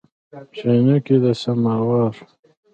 چاینکي د سماوار